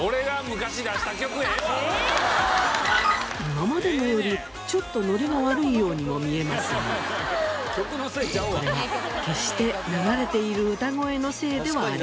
今までのよりちょっとノリが悪いようにも見えますがこれは決して流れている歌声のせいではありません。